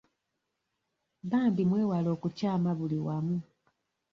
Bambi mwewale okukyama buli wamu.